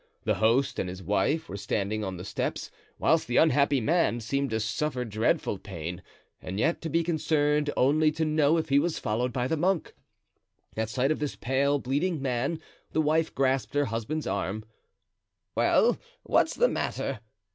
The host and his wife were standing on the steps, whilst the unhappy man seemed to suffer dreadful pain and yet to be concerned only to know if he was followed by the monk. At sight of this pale, bleeding man, the wife grasped her husband's arm. "Well, what's the matter?"